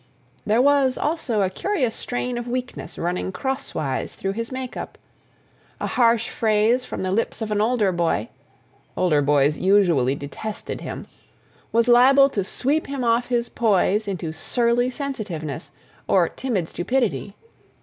There was, also, a curious strain of weakness running crosswise through his make up... a harsh phrase from the lips of an older boy (older boys usually detested him) was liable to sweep him off his poise into surly sensitiveness, or timid stupidity...